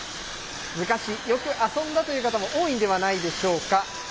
昔よく遊んだという方も多いんではないでしょうか。